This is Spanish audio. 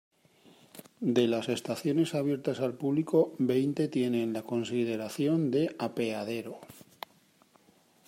De las estaciones abiertas al público veinte tienen la consideración de apeadero.